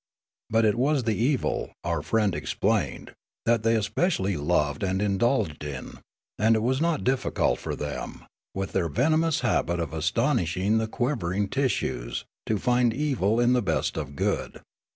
But it was the evil, our friend explained, that they especially loved and indulged in ; and it was not difficult for them, with their venomous habit of anatomising the quivering tis sues, to find evil in the best of good.